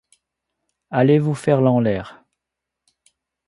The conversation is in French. Allez vous faire lanlaire.